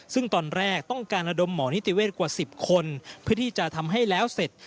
ซึ่งตอนแรกต้องการระดมหมอนิติเวศกว่า๑๐คนเพื่อที่จะทำให้แล้วเสร็จ